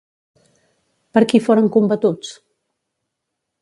Per qui foren combatuts?